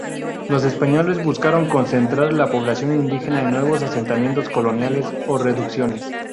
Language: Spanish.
Los españoles buscaron concentrar la población indígena en nuevos asentamientos coloniales, o reducciones.